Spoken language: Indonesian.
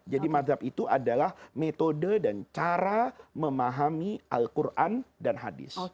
jadi madhab itu adalah metode dan cara memahami al quran dan hadis